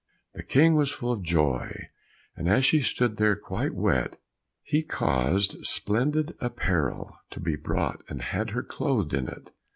The King was full of joy, and as she stood there quite wet, he caused splendid apparel to be brought and had her clothed in it.